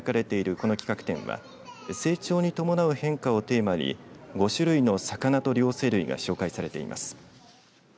この企画展は成長に伴う変化をテーマに５種類の魚と両生類が紹介されています。